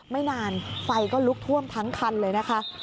ไม่นานไฟก็ลุกท่วมทั้งคันเลยนะคะ